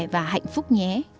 và hạnh phúc nhé